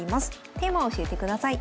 テーマを教えてください。